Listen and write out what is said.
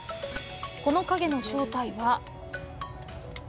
この影の正体は。